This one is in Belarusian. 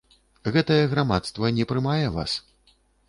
Гэтае грамадства не прымае вас.